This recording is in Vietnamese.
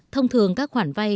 thông thường các khoản vay